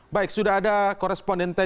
baik sudah ada korespondente di zuhari